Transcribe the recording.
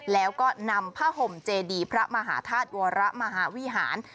แล้วก็นำผ้าห่มเจดีพระมหาธาตุวรมหาวิหาร